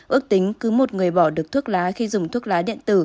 ước tính cứ một người bỏ được thuốc lá khi dùng thuốc lá điện tử